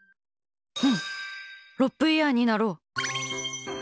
ロップイヤーになろう！